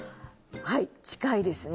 はい近いですね